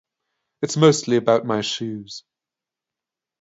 It's mostly about my shoes.